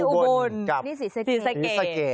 อุบลกับสีสะเกด